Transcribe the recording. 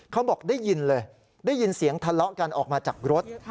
เขาบอกได้ยินเลยได้ยินเสียงทะเลาะกันออกมาจากรถ